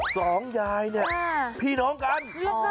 สองยายเนี่ยพี่น้องกัน